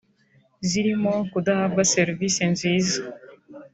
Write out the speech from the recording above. zirimo kudahabwa serivisi nziza